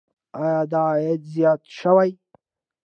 آیا دا عاید زیات شوی؟